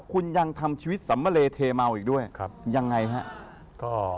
ก็ยังไม่คิดอีก